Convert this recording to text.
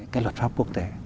cái luật pháp quốc tế